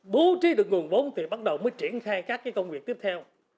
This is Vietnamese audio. bố trí được nguồn vốn thì bắt đầu mới triển khai các công việc tiếp theo